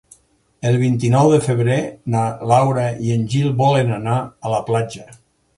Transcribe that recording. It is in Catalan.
El vint-i-nou de febrer na Laura i en Gil volen anar a la platja.